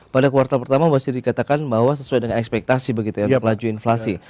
pada kuartal pertama masih dikatakan bahwa sesuai dengan ekspektasi begitu ya untuk laju inflasi